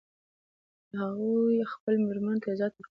هغوی خپلو میرمنو ته عزت ورکوي